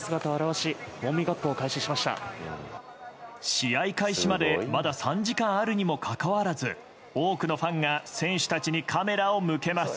試合開始までまだ３時間あるにもかかわらず多くのファンが選手たちにカメラを向けます。